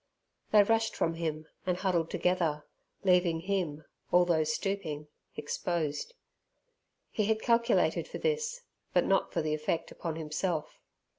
They rushed from him and huddled together, leaving him, although stooping, exposed. He had calculated for this, but not for the effect upon himself.